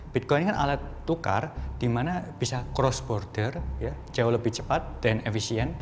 bitcoin ini kan alat tukar di mana bisa cross border jauh lebih cepat dan efisien